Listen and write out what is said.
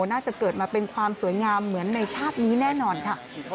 น่าจะเกิดมาเป็นความสวยงามเหมือนในชาตินี้แน่นอนค่ะ